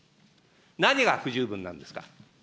何が不十分なんですか。